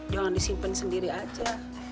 jangan disimpan sendiri aja